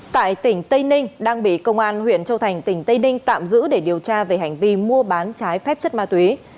tại tỉnh tây ninh đang bị công an huyện châu thành tỉnh tây ninh tạm giữ để điều tra về hành vi mua bán trái phép chất ma túy